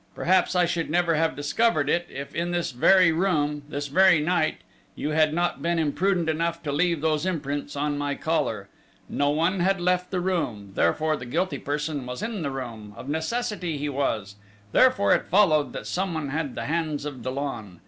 Perhaps I should never have discovered it, if in this very room, this very night, you had not been imprudent enough to leave those imprints on my collar!... No one had left the room, therefore the guilty person was in the room of necessity he was: _therefore, it followed, that someone had the hands of Dollon!...